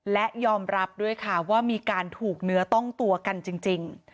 และยอมรับด้วยค่ะว่ามีการถูกเนื้อต้องตัวกันจริง